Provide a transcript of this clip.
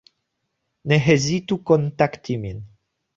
Ne hezitu kontakti min.